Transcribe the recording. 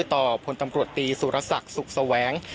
พลตำรวจตีสุรศักดิ์สุขแสวง